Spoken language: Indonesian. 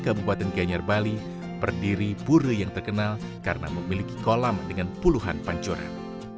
kabupaten gianyar bali berdiri pura yang terkenal karena memiliki kolam dengan puluhan pancuran